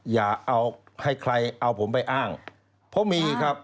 อย่าเอาให้ใครเอาผมไปอ้างเพราะมีครับ